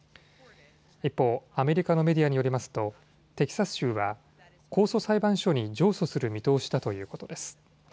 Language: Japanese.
一方、アメリカのメディアによりますとテキサス州は控訴裁判所に上訴する見通しだということです。